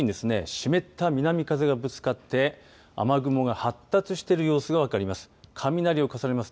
湿った南風がぶつかって雨雲が発達している様子が分かります。